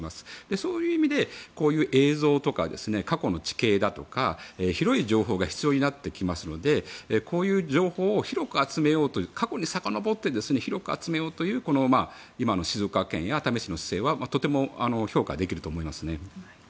そういう意味で映像とか過去の地形だとか広い情報が必要になってきますのでこういう情報を広く集めようという過去にさかのぼって広く集めようという今の静岡県や熱海市の姿勢はとても評価できると思いますね。